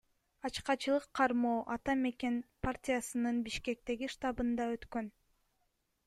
Ачкачылык кармоо Ата мекен партиясынын Бишкектеги штабында өткөн.